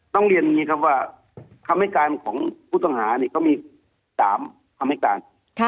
ต้องเรียนว่าคำให้การของผู้ต่างหาก็มี๓คำให้การ